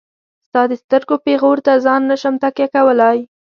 ستا د سترګو پيغور ته ځان نشم تکيه کولاي.